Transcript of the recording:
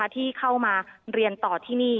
ที่เข้ามาเรียนต่อที่นี่